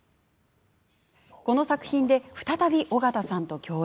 この作品で再び緒形さんと共演。